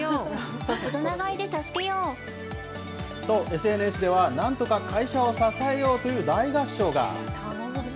と、ＳＮＳでは、なんとか会社を支えようという大合唱が。